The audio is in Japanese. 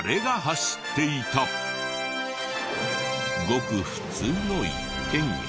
ごく普通の一軒家。